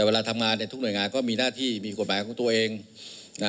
เวลาทำงานเนี่ยทุกหน่วยงานก็มีหน้าที่มีกฎหมายของตัวเองนะ